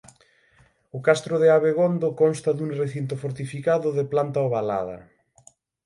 O castro de Abegondo consta dun recinto fortificado de planta ovalada.